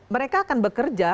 mereka akan bekerja